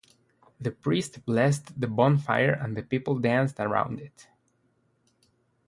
The priest blessed the bonfire and the people danced around it.